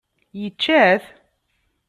Yečča-t?